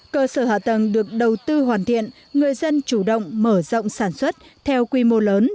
cơ sở hạ tầng được đầu tư hoàn thiện người dân chủ động mở rộng sản xuất theo quy mô lớn